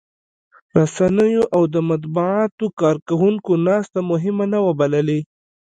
رسنيو او د مطبوعاتو کارکوونکو ناسته مهمه نه وه بللې.